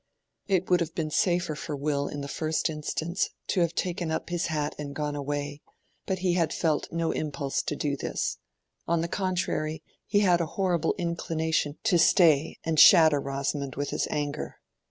It would have been safer for Will in the first instance to have taken up his hat and gone away; but he had felt no impulse to do this; on the contrary, he had a horrible inclination to stay and shatter Rosamond with his anger.